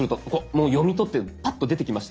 もう読み取ってパッと出てきましたよね。